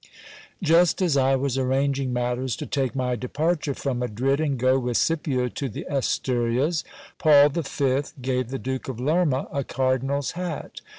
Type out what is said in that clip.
J L"ST as I was arranging matters to take my departure from Madrid, and go with Scipio to the Asturias, Paul V. gave the Duke of Lerma a cardinal's hat.